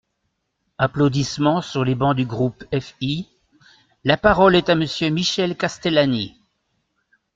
(Applaudissements sur les bancs du groupe FI.) La parole est à Monsieur Michel Castellani.